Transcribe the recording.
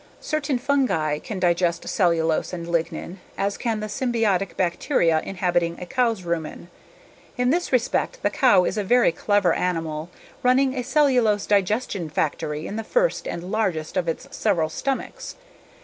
Certain fungi can digest cellulose and lignin, as can the symbiotic bacteria inhabiting a cow's rumen. In this respect the cow is a very clever animal running a cellulose digestion factory in the first and largest of its several stomachs.